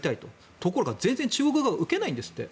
ところが、全然中国側が受けないんですって。